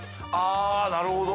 なるほど。